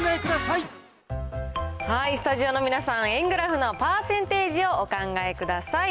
スタジオの皆さん、円グラフのパーセンテージをお考えください。